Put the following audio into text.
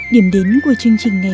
điểm đến của chương trình ngày hôm nay